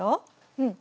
うん。